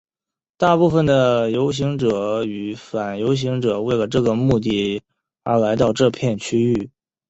大部分的游行者与反游行者为了这个目的而来到这片区域。